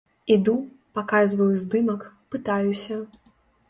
Іду, паказваю здымак, пытаюся.